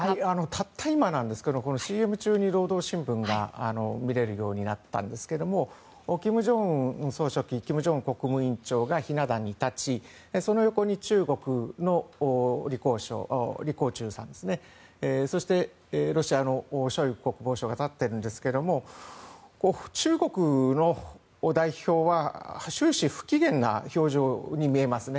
たった今、ＣＭ中に労働新聞が見れるようになったんですが金正恩総書記がひな壇に立ち、その横に中国のリ・コウチュウさんそしてロシアのショイグ国防相が立っているんですが中国の代表は終始、不機嫌な表情に見えますね。